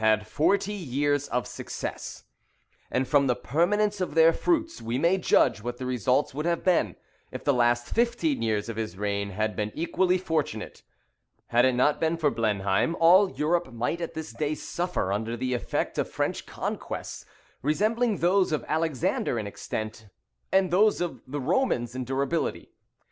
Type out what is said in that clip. had forty years of success; and from the permanence of their fruits we may judge what the results would have been if the last fifteen years of his reign had been equally fortunate. Had it not been for Blenheim, all Europe might at this day suffer under the effect of French conquests resembling those of Alexander in extent, and those of the Romans in durability.